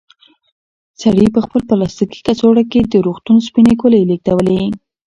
سړي په خپل پلاستیکي کڅوړه کې د روغتون سپینې ګولۍ لېږدولې.